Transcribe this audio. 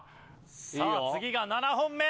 さあ次が７本目。